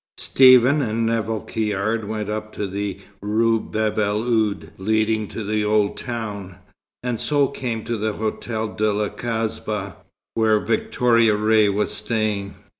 Stephen and Nevill Caird went up the Rue Bab el Oued, leading to the old town, and so came to the Hotel de la Kasbah, where Victoria Ray was staying.